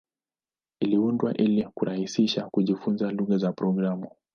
Iliundwa ili kurahisisha kujifunza lugha za programu.